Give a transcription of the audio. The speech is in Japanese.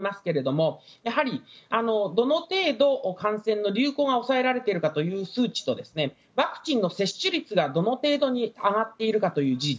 これは非常に難しい話で経済との兼ね合い等もありますがやはりどの程度感染の流行が抑えられているかという数値とワクチンの接種率がどの程度に上がっているかという事実。